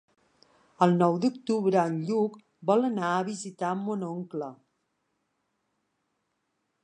El nou d'octubre en Lluc vol anar a visitar mon oncle.